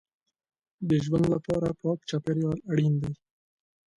د ژوند لپاره پاک چاپېریال اړین دی.